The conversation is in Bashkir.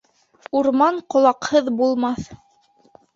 Урман ҡолаҡһыҙ булмаҫ.